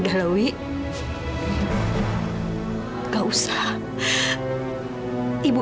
nama suami ibu